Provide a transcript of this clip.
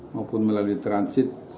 maupun melalui transit